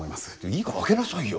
いいから開けなさいよ。